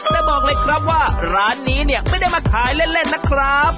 แต่บอกเลยครับว่าร้านนี้เนี่ยไม่ได้มาขายเล่นนะครับ